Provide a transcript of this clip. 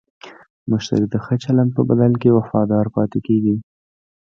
مشتری د ښه چلند په بدل کې وفادار پاتې کېږي.